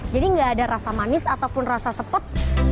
jadi tidak ada rasa manis ataupun rasa sepet